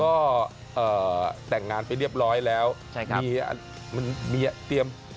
ก็แต่งงานไปเรียบร้อยแล้วใช่ครับ